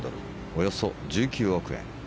およそ１９億円。